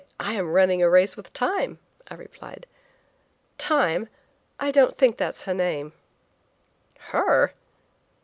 I am running a race with Time," I replied. "Time? I don't think that's her name." "Her!